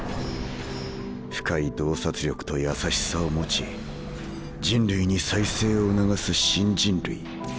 深い洞察力と優しさを持ち人類に再生を促す新人類。